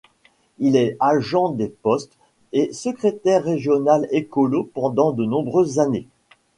Il est agent des postes et secrétaire régional Ecolo pendant de nombreuses années.